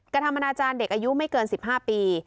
กระทำอนาจารย์เด็กอายุไม่เกิน๑๕ปี